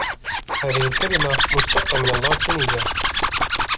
هذه الكلمة مشتقة من اللاتينية.